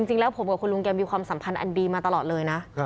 จริงแล้วผมกับคุณลุงแกมีความสัมพันธ์อันดีมาตลอดเลยนะ